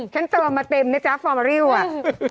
ฉันตัวมาเต็มเนี่ยจ๊ะฟอร์มอริวอะ